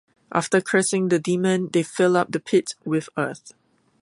After cursing the demon, they fill up the pit with earth.